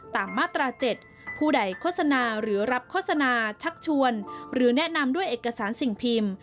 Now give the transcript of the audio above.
ตามมาตรา๗ผู้ใดโฆษณาหรือรับโฆษณาชักชวนหรือแนะนำด้วยเอกสารสิ่งพิมพ์